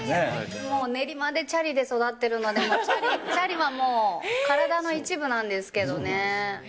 もう練馬でチャリで育ってるので、チャリはもう、体の一部なんですけどね。